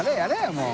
もう。